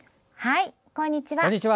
こんにちは。